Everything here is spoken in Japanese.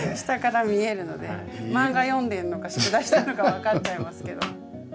下から見えるので漫画読んでるのか宿題してるのかわかっちゃいますけど。